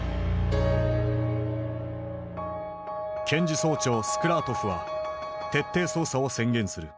検事総長スクラートフは徹底捜査を宣言する。